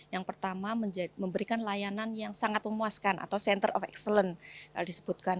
yang pertama memberikan layanan yang sangat memuaskan atau center of excellence disebutkan